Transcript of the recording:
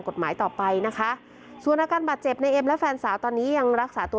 กฎหมายต่อไปนะคะส่วนอาการบาดเจ็บในเอ็มและแฟนสาวตอนนี้ยังรักษาตัว